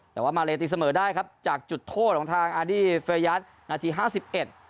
แต่ว่ามาเลตีเสมอได้ครับจากจุดโทษของทางอาร์ดี้เฟยัตนาทีห้าสิบเอ็ด